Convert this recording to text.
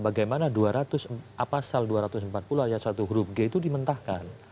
bagaimana pasal dua ratus empat puluh ayat satu huruf g itu dimentahkan